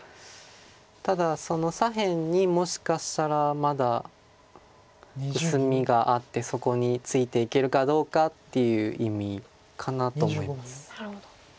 ただ左辺にもしかしたらまだ薄みがあってそこについていけるかどうかっていう意味かなと思います。